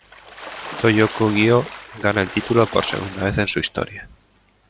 Toyo Kogyo gana el título por segunda vez en su historia.